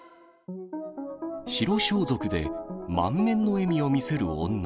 白装束で満面の笑みを見せる女。